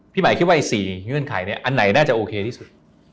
หมายคิดว่า๔เงื่อนไขเนี่ยอันไหนน่าจะโอเคที่สุด